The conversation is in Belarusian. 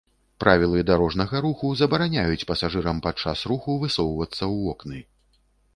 Правілы дарожнага руху забараняюць пасажырам падчас руху высоўвацца ў вокны.